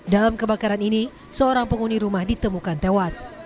dalam kebakaran ini seorang penghuni rumah ditemukan tewas